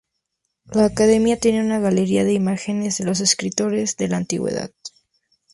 La academia tiene una galería de imágenes de los escritores de la antigüedad.